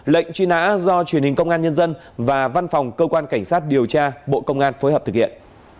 lệnh truy nã do truyền hình công an nhân dân và văn phòng cơ quan cảnh sát điều tra bộ công an phối hợp thực hiện